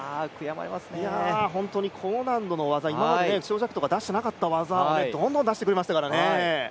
高難度の技、今まで肖若騰が出していなかった技をどんどん出してくれましたからね。